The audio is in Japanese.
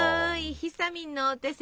ひさみんのお手製